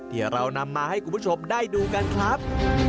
เดี๋ยวเรานำมาให้กลุ่มผู้ชมได้ดูกันครับ